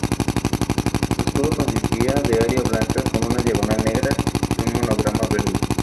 Su escudo consistía de área blanca, con una diagonal negra y un monograma verde.